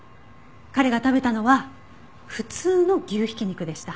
彼が食べたのは普通の牛挽き肉でした。